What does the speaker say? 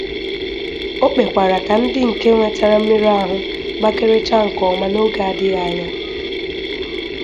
O kpekwara ka ndị nke nwetara mmerụahụ gbakerechaa nke ọma n'oge adịghị anya.